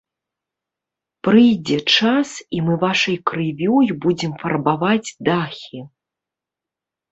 Прыйдзе час, і мы вашай крывёй будзем фарбаваць дахі.